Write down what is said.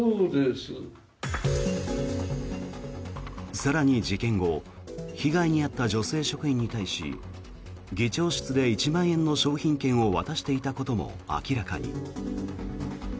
更に、事件後被害に遭った女性職員に対し村長室で１万円の商品券を渡していたことも明らかに。